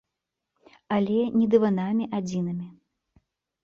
Але не дыванамі адзінымі.